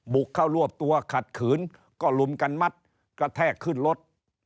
บุกเข้ารวบตัวขัดขืนก็ลุมกันมัดกระแทกขึ้นรถ